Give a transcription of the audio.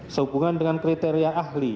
sehubungan dengan kriteria ahli